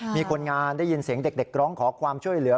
มีคนงานได้ยินเสียงเด็กร้องขอความช่วยเหลือ